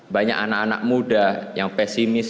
banyak anak anak muda yang pesimis